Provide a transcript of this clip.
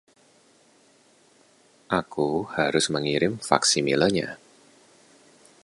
Aku harus mengirim faksimilenya.